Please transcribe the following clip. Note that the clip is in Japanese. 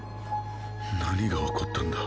何が起こったんだ。